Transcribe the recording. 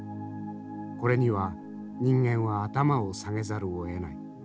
これには人間は頭を下げざるをえない。